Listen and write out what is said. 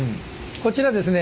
こちらですね